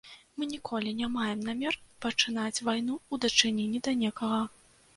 Мы ніколі не маем намер пачынаць вайну ў дачыненні да некага.